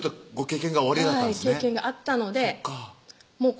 経験があったのでそっ